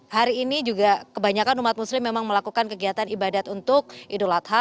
hari ini juga kebanyakan umat muslim memang melakukan kegiatan ibadat untuk idul adha